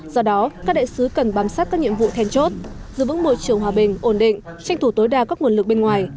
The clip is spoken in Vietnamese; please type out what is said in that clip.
do đó các đại sứ cần bám sát các nhiệm vụ then chốt giữ vững môi trường hòa bình ổn định tranh thủ tối đa các nguồn lực bên ngoài